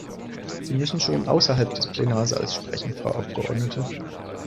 Sie müssen schon außerhalb des Plenarsaals sprechen, Frau Abgeordnete.